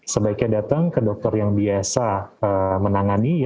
sebaiknya datang ke dokter yang biasa menangani